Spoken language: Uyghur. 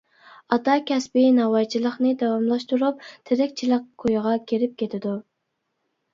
ئاتا كەسپى ناۋايچىلىقنى داۋاملاشتۇرۇپ، تىرىكچىلىك كويىغا كېرىپ كېتىدۇ.